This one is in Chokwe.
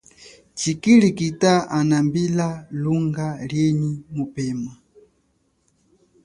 Tshikilikita hanambila lunga lienyi mupema.